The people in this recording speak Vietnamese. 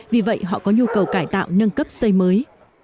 vì vậy họ có nhu cầu cải tạo nâng cấp xây mới